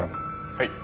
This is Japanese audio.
はい。